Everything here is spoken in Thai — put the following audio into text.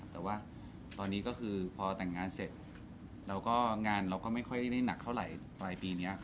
แต่ว่าตอนนี้ก็คือพอแต่งงานเสร็จเราก็งานเราก็ไม่ค่อยได้หนักเท่าไหร่ปลายปีนี้